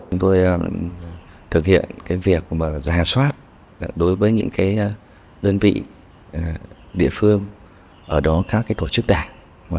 chúng tôi thực hiện việc giả soát đối với những đơn vị địa phương ở đó các tổ chức đảng